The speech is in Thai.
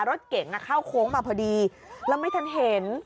รถเก๋งเข้าโค้งมาพอดีแล้วไม่ทันเห็น